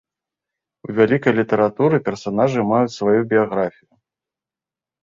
У вялікай літаратуры персанажы маюць сваю біяграфію.